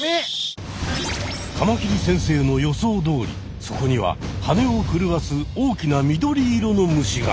カマキリ先生の予想どおりそこにははねをふるわす大きな緑色の虫が！